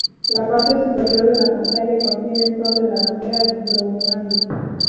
La parte superior de la pantalla contiene el sol de la bandera de Groenlandia.